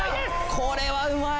これはうまい！